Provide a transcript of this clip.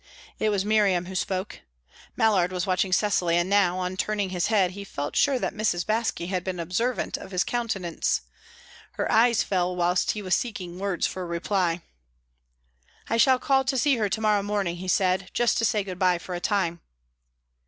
It was Miriam who spoke. Mallard was watching Cecily, and now, on turning his head, he felt sure that Mrs. Baske had been observant of his countenance. Her eyes fell whilst he was seeking words for a reply. "I shall call to see her to morrow morning," he said, "just to say good bye for a time."